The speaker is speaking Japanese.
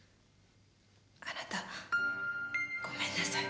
あなたごめんなさい。